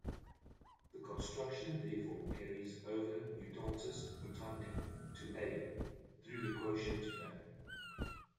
The construction therefore carries over mutatis mutandi to "A", through the quotient map.